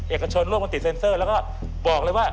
เอกชนร่วมมาติดเซ็นเซอร์แล้วก็บอกเลยว่า